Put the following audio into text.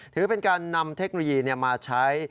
ถือเป็นการนำเทคโนโลยีมาใช้